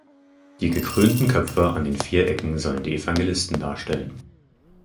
Die gekrönten Köpfe an den vier Ecken sollen die Evangelisten darstellen.